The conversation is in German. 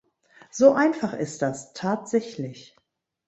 So einfach ist das, tatsächlich.